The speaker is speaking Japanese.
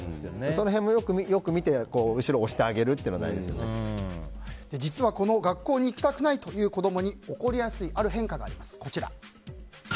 その辺もよく見て後ろ押してあげるっていうのが実は、学校に行きたくないという子供に起こりやすいある変化があります。